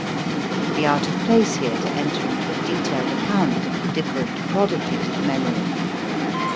It would be out of place here to enter into a detailed account of the different prodigies of memory.